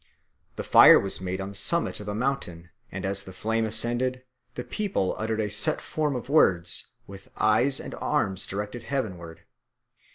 This fire was made on the summit of a mountain, and as the flame ascended, the people uttered a set form of words, with eyes and arms directed heavenward.